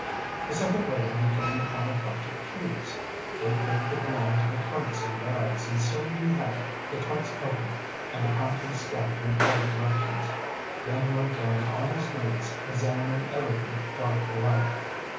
A second later he came upon a bunch of keys. They proved to belong to the trunks and bags, and soon he had the trunks open and the contents scattered in all directions. Then he went down on his knees, examining everything brought to light.